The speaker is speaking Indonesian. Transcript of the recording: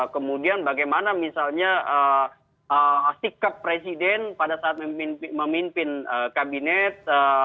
kemudian bagaimana misalnya sikap presiden pada saat memimpin kabinet